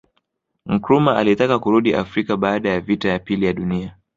Nkrumah alitaka kurudi Afrika baada ya vita ya pili ya Dunia